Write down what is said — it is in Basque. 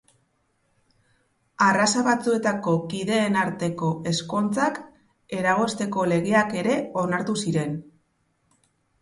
Arraza batzuetako kideen arteko ezkontzak eragozteko legeak ere onartu ziren.